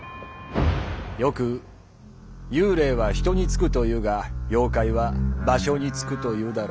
よく幽霊は「人」に憑くというが妖怪は「場所」に憑くというだろ。